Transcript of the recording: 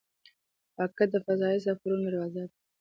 راکټ د فضايي سفرونو دروازه ده